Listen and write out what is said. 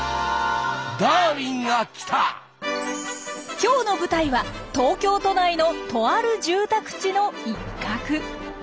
今日の舞台は東京都内のとある住宅地の一角。